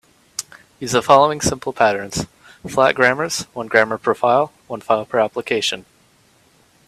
Use the following simple patterns: flat grammars, one grammar per file, one file per application.